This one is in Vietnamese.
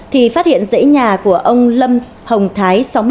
thì phát hiện dãy nhà của ông lâm hồng thái